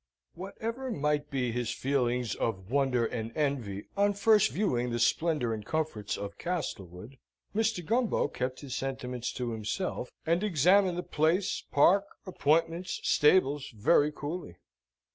Whatever might be his feelings of wonder and envy on first viewing the splendour and comforts of Castlewood, Mr. Gumbo kept his sentiments to himself, and examined the place, park, appointments, stables, very coolly.